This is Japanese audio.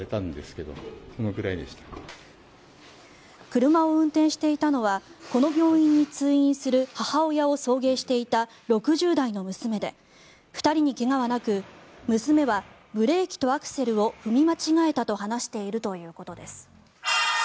車を運転していたのはこの病院に通院する母親を送迎していた６０代の娘で２人に怪我はなく娘はブレーキとアクセルを踏み間違えたと話しているということです。